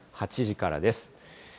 ８時からです。